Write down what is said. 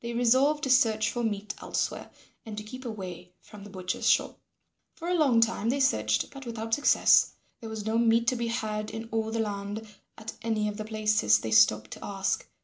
They resolved to search for meat elsewhere and to keep away from the butcher's shop. For a long time they searched, but without success. There was no meat to be had in all the land at any of the places they stopped to ask.